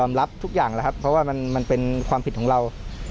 มันเป็นความผิดของเรา